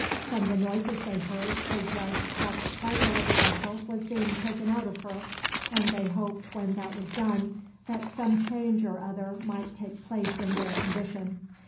From the noises they heard they judged that the cargo of the vessel was being taken out of her, and they hoped when that was done that some change or other might take place in their condition.